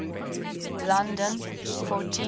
London, for T.